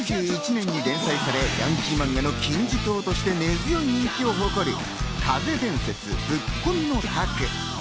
１９９１年に連載され、ヤンキーマンガの金字塔として根強い人気を誇る『疾風伝説特攻の拓』。